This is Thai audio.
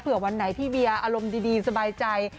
เผื่อวันไหนพี่เวียอารมณ์ดีสบายใจ